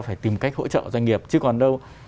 phải tìm cách hỗ trợ doanh nghiệp chứ còn đâu